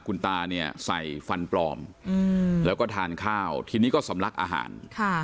คุณตาเนี่ยใส่ฟันปลอมแล้วก็ทานข้าวทีนี้ก็สำลักอาหาร